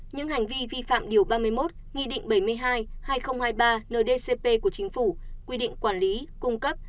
những hành vi vi phạm điều ba mươi một nghị định bảy mươi hai hai nghìn hai mươi ba ndcp của chính phủ quy định quản lý cung cấp